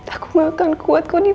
aku mah akan kuat kondisi